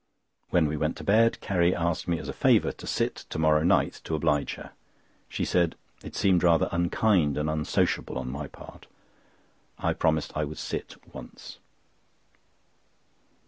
When we went to bed, Carrie asked me as a favour to sit to morrow night, to oblige her. She said it seemed rather unkind and unsociable on my part. I promised I would sit once.